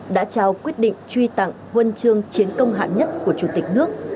đã trao quyết định truy tặng huân chương chiến công hạng nhất của chủ tịch nước